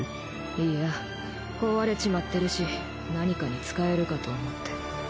いや壊れちまってるし何かに使えるかと思って。